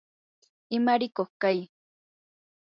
imarikuq kay